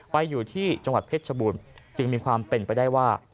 ไปอยู่ที่จังหวัดเพชรชบูรณ์จึงมีความเป็นไปได้ว่า